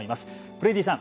ブレイディさん